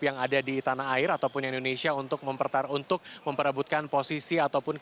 yang ada di tanah air ataupun indonesia untuk memperebutkan posisi ataupun